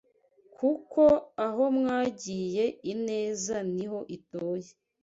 kuko aho mwagiye Ineza niho ituye